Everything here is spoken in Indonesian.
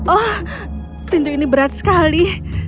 oh pintu ini berat sekali